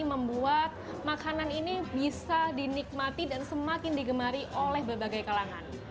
membuat makanan ini bisa dinikmati dan semakin digemari oleh berbagai kalangan